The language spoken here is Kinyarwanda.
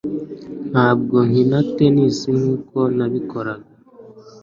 Ntabwo nkina tennis nkuko nabikoraga